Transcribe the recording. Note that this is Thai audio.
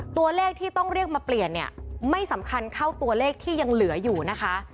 ตัวเลขที่ต้องเรียกมาเปลี่ยนเนี่ยไม่สำคัญเท่าตัวเลขที่ยังเหลืออยู่นะคะ